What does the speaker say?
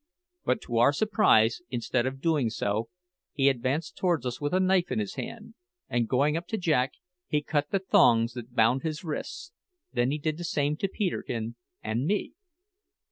But, to our surprise, instead of doing so, he advanced towards us with a knife in his hand, and going up to Jack, he cut the thongs that bound his wrists; then he did the same to Peterkin and me!